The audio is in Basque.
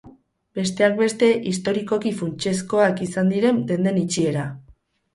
Besteak beste, historikoki funtsezkoak izan diren denden itxiera.